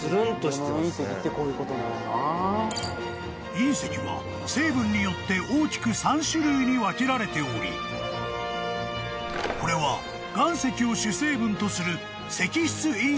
［隕石は成分によって大きく３種類に分けられておりこれは岩石を主成分とする石質隕石と判明］